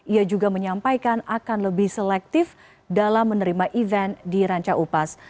ia juga menyampaikan akan lebih selektif dalam menerima event di ranca upas